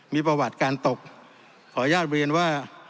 มีประวัติการตกขออนุญาตเรียนว่า